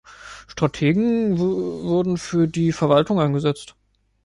Strategen wurden für die Verwaltung eingesetzt.